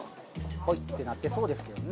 ポイってなってそうですけどね。